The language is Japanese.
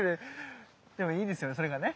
でもいいですよねそれがね。